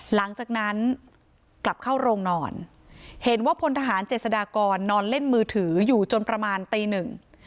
หลังจากนั้นกลับเข้าโรงนอนเห็นว่าพลทหารเจษฎากรนอนเล่นมือถืออยู่จนประมาณตีหนึ่ง